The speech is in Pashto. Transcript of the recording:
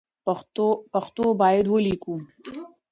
پښتو باید ولیکو